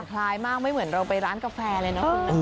คล้ายมากไม่เหมือนเราไปร้านกาแฟเลยเนอะ